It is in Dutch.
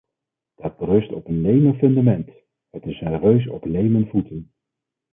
Dat berust op een lemen fundament, het is een reus op lemen voeten.